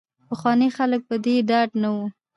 پخواني خلک په دې ډاډه نه وو.